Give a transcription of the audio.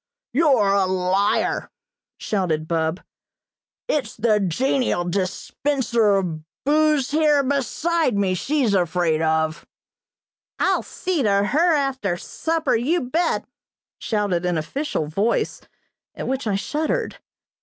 "You're a liar!" shouted Bub. "It's the genial dispenser of booze here beside me she's afraid of." "I'll see to her after supper, you bet!" shouted an official voice, at which I shuddered.